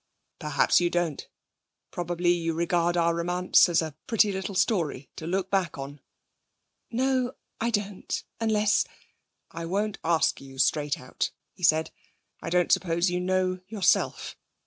Perhaps you don't. Probably you regard our romance as a pretty little story to look back on.' 'No, I don't, unless ' 'I won't ask you straight out,' he said. 'I don't suppose you know yourself.